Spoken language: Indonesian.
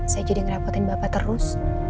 saya jadi ngerepotin bapak terus